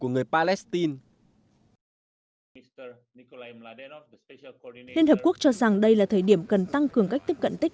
các nhà nước palestine liên hợp quốc cho rằng đây là thời điểm cần tăng cường cách tiếp cận tích